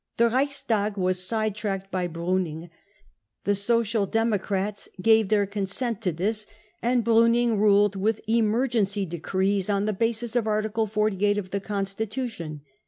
The Reichstag was side tracked by Bruning. The Social Democrats gave their consent to this, and Bruning ruled with emergency decrees 011 the basis of Article 48 of the constitu tion.